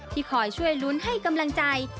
ที่คอยช่วยรุนให้กำลังใจ